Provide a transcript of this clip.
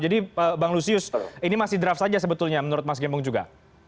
jadi bang lusius ini masih draft saja sebetulnya menurut mas gimpung juga